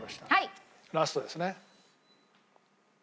ラストですね。